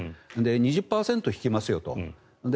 ２０％引きますよと。